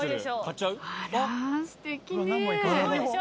あら、すてきね。